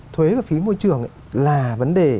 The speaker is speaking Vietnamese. thuế và phí môi trường là vấn đề